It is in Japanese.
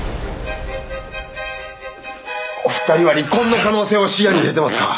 お二人は離婚の可能性を視野に入れてますか？